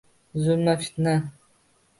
Zulmu fitna